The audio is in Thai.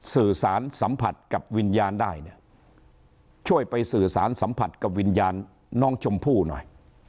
สื่อสารสัมผัสกับวิญญาณได้เนี่ยช่วยไปสื่อสารสัมผัสกับวิญญาณน้องชมพู่หน่อย